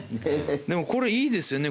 でもこれいいですよね